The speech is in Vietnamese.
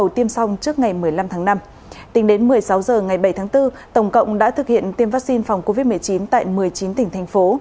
tính đến một mươi sáu h ngày bảy tháng bốn tổng cộng đã thực hiện tiêm vaccine phòng covid một mươi chín tại một mươi chín tỉnh thành phố